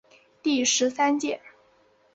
第十三届